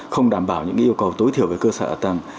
không đảm bảo những cái yêu cầu tối thiểu về cơ sở ở tầng